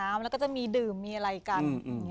มันจะมีดื่มมีอะไรกัน